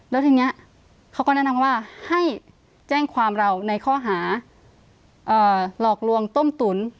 แล้วทีนี้เขาก็แนะนำว่าให้แจ้งความเราในข้อหาหลอกลวงต้มตุ๋น